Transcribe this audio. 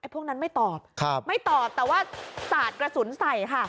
พวกนั้นไม่ตอบไม่ตอบแต่ว่าสาดกระสุนใส่ค่ะ